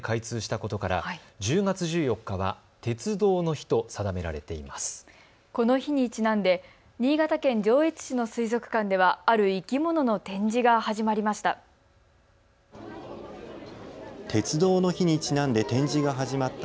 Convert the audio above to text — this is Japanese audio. この日にちなんで新潟県上越市の水族館ではある生き物の展示が始まりました。